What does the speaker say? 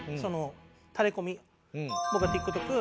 僕がＴｉｋＴｏｋ